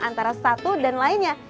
antara satu dan lainnya